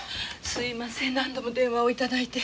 すみません何度も電話を頂いて。